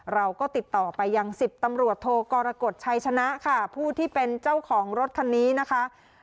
เราก็ติดต่อไปยัง๑๐ตำรวจโทกรกฎชัยชนะค่ะผู้ที่เป็นเจ้าของรถคันนี้นะคะ